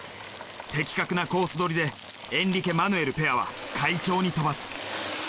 的確なコースどりでエンリケマヌエルペアは快調に飛ばす。